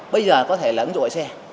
bây giờ có thể là ứng dụng gọi xe